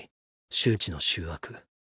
周知の醜悪。